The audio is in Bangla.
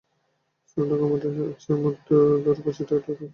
সোনাডাঙা মাঠের নিচে ইছামতীর ধারে কাঁচিকাটা খালের মুখে ছিপে খুব মাছ ওঠে।